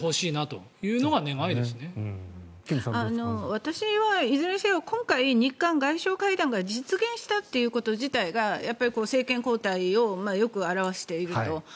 私はいずれにせよ日韓外相会談が実現したこと自体がやっぱり政権交代をよく表していると。